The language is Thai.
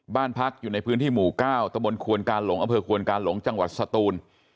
บ้านพักอยู่ในพื้นที่หมู่๙ตะบนควนกาหลงอำเภอควนกาหลงจังหวัดสตูน